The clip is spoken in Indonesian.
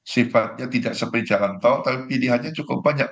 sifatnya tidak seperti jalan tol tapi pilihannya cukup banyak